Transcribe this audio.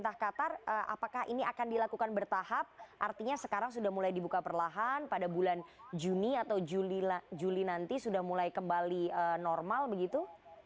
apakah ini akan dilakukan bertahap artinya sekarang sudah mulai dibuka perlahan pada bulan juni atau juli nanti sudah mulai kembali normal begitu